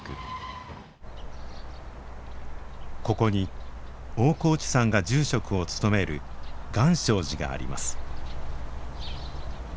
ここに大河内さんが住職を務める願生寺があります。